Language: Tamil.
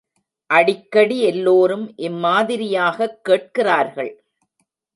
அடிக்கடி எல்லோரும் இம்மாதிரியாகக் கேட்கிறார்கள்.